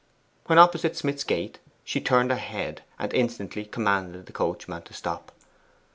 When opposite Smith's gate she turned her head, and instantly commanded the coachman to stop.